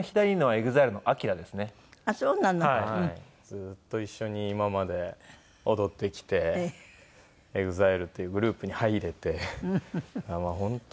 ずっと一緒に今まで踊ってきてＥＸＩＬＥっていうグループに入れて本当